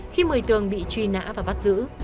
khi một mươi tường bị truy nã và bắt giữ